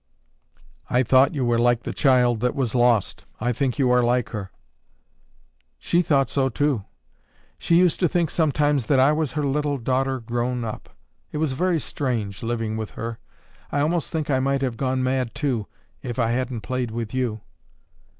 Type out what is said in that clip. "I thought you were like the child that was lost. I think you are like her." "She thought so, too; she used to think sometimes that I was her little daughter grown up. It was very strange, living with her; I almost think I might have gone mad, too, if I hadn't played with you."